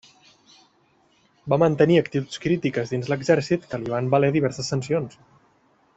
Va mantenir actituds crítiques dins l'exèrcit que li van valer diverses sancions.